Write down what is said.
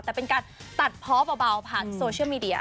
แต่เป็นการตัดเพาะเบาผ่านโซเชียลมีเดีย